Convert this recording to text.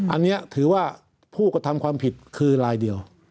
อันนี้ถือว่าผู้กระทำความผิดคือลายเดียว